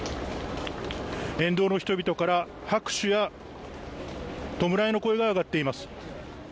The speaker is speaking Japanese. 沿道の人々から拍手や弔いの声が上がっています。